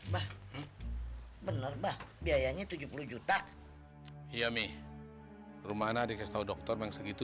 hai hai hai hai hai bah bener bah biayanya tujuh puluh juta iami rumahnya dikasih tahu dokter yang segitu